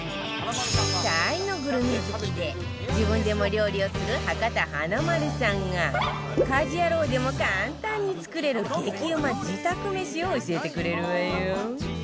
大のグルメ好きで自分でも料理をする博多華丸さんが家事ヤロウでも簡単に作れる激うま自宅めしを教えてくれるわよ